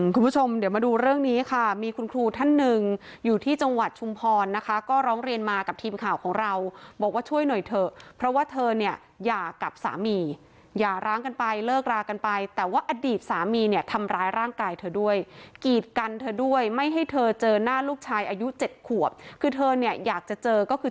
คุณผู้ชมเดี๋ยวมาดูเรื่องนี้ค่ะมีคุณครูท่านหนึ่งอยู่ที่จังหวัดชุมพรนะคะก็ร้องเรียนมากับทีมข่าวของเราบอกว่าช่วยหน่อยเถอะเพราะว่าเธอเนี่ยหย่ากับสามีอย่าร้างกันไปเลิกรากันไปแต่ว่าอดีตสามีเนี่ยทำร้ายร่างกายเธอด้วยกีดกันเธอด้วยไม่ให้เธอเจอหน้าลูกชายอายุเจ็ดขวบคือเธอเนี่ยอยากจะเจอก็คือ